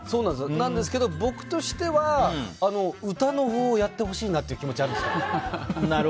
なんですけど、僕としては歌のほうをやってほしいなっていう気持ちがあるんですよ。